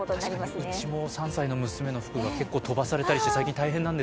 うちも３歳の娘の服が飛ばされたりして、最近大変なんです。